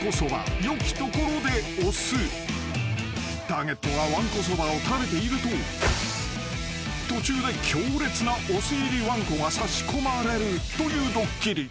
［ターゲットがわんこそばを食べていると途中で強烈なお酢入りわんこが差し込まれるというドッキリ］